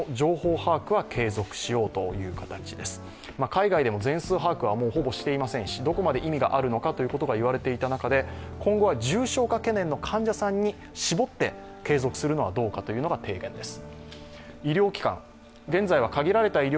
海外でも全数把握はもうほぼしていませんしどこまで意味があるのかということが言われていた中で今後は重症化懸念の患者さんに絞って継続するのはどうかという提言です。